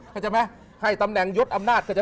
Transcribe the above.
เข้าใจไหมให้ตำแหน่งยดอำนาจก็จะ